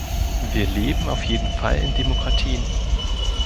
Wir leben auf jeden Fall in Demokratien.